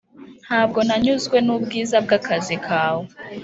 ntabwo nanyuzwe nubwiza bwakazi kawe.